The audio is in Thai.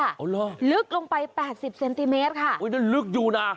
อ๋อเหรอลึกลงไป๘๐เซนติเมตรค่ะอุ้ยนั่นลึกอยู่นะ